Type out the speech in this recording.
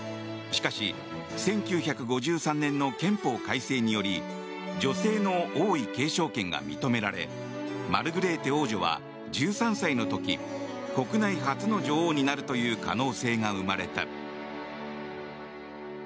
しかし１９５３年の憲法改正により女性の王位継承権が認められマルグレーテ王女は１３歳の時、国内初の女王になるという可能性が生まれた。